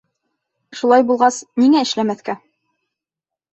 Шулай булғас, ниңә эшләмәҫкә?